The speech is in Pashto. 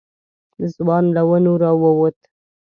ځوان له ونو راووت.